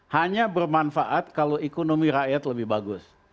hanya bermanfaat kalau ekonomi rakyat lebih bagus